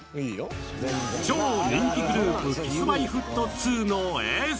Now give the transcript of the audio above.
全然超人気グループＫｉｓ−Ｍｙ−Ｆｔ２の「ｓ」